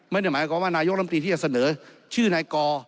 ไม่ได้หมายความว่านายกลำตีที่จะเสนอชื่อนายกอ